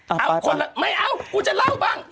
เอาคนละไม่เอากูจะเล่าบ้าง